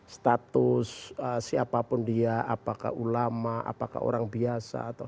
status siapapun dia apakah ulama apakah orang biasa